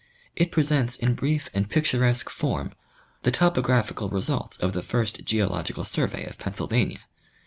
It presents in brief and picturesque form the topographical results of the first geological survey of Pennsylvania.